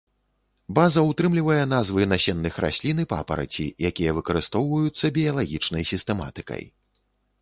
База ўтрымлівае назвы насенных раслін і папараці, якія выкарыстоўваюцца біялагічнай сістэматыкай.